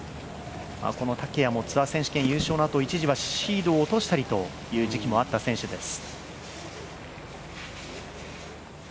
竹谷もツアー選手権のあと、一時はシードを落としたりという時期もあった選手です。